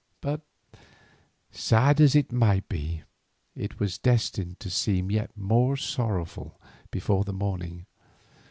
But sad as it might be, it was destined to seem yet more sorrowful before the morning.